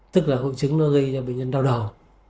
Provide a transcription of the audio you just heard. tức là hội chứng nó gây ra bệnh nhân đau đầu